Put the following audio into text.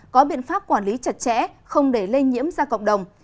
có biện pháp quản lý chặt chẽ không để lây nhiễm ra cộng đồng